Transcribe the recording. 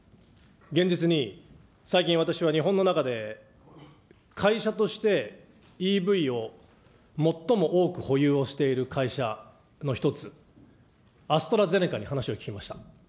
現実に最近、私は日本の中で、会社としてＥＶを最も多く保有をしている会社の一つ、アストラゼネカに話を聞きました。